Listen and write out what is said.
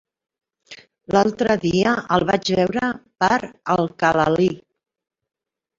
L'altre dia el vaig veure per Alcalalí.